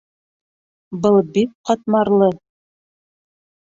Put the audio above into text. Был бик ҡатмарлы.